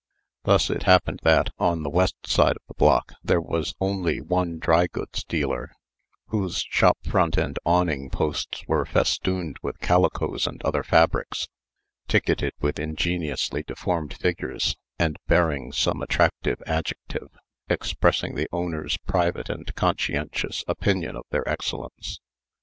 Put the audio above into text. Thus it happened that, on the west side of the block, there was only one drygoods dealer, whose shop front and awning posts were festooned with calicoes and other fabrics, ticketed with ingeniously deformed figures, and bearing some attractive adjective, expressing the owners private and conscientious opinion of their excellence.